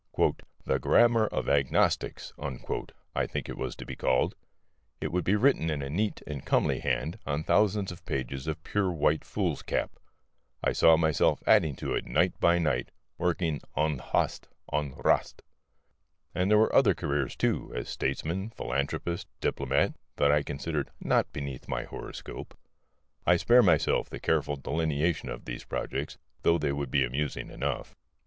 "The Grammar of Agnostics," I think it was to be called: it would be written in a neat and comely hand on thousands of pages of pure white foolscap: I saw myself adding to it night by night, working ohne Hast, ohne Rast. And there were other careers, too, as statesman, philanthropist, diplomat, that I considered not beneath my horoscope. I spare myself the careful delineation of these projects, though they would be amusing enough.